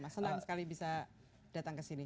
senang sekali bisa datang ke sini